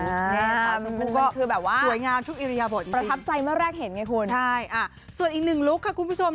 นี่ค่ะมันคือแบบว่าประทับใจเมื่อแรกเห็นไงคุณใช่ส่วนอีกหนึ่งลูกค่ะคุณผู้ชม